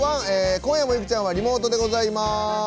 今夜も、いくちゃんはリモートでございます。